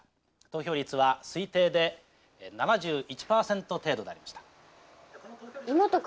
投票率は推定で７１％程度でありました」。